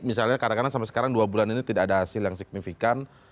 misalnya katakanlah sampai sekarang dua bulan ini tidak ada hasil yang signifikan